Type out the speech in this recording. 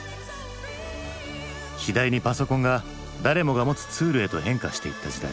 次第にパソコンが誰もが持つツールへと変化していった時代。